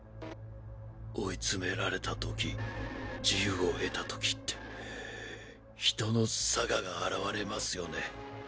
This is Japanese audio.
追いつめられた時自由を得た時って人の性が現れますよね。